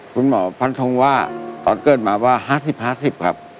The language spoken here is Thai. ฟันทงว่าตอนเกิดมาว่า๕๐๕๐ครับ